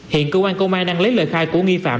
hiện cơ quan công an đang lấy lời khai của nghi phạm